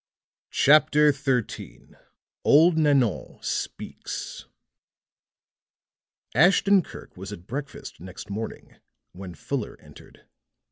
CHAPTER XIII OLD NANON SPEAKS Ashton Kirk was at breakfast next morning when Fuller entered.